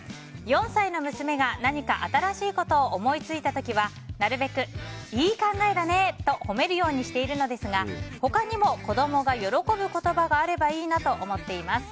４歳の娘が何か新しいことを思いついた時はなるべく、いい考えだね！と褒めるようにしているのですが他にも子供が喜ぶ言葉があればいいなと思っています。